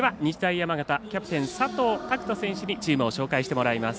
山形、キャプテン佐藤拓斗選手にチームを紹介してもらいます。